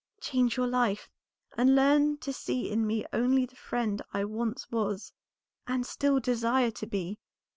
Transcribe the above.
Change your life, and learn to see in me only the friend I once was and still desire to be."